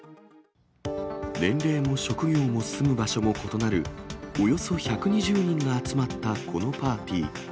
年齢も職業も住む場所も異なる、およそ１２０人が集まったこのパーティー。